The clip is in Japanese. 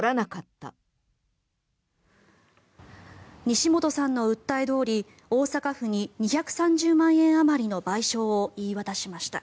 西本さんの訴えどおり大阪府に２３０万円あまりの賠償を言い渡しました。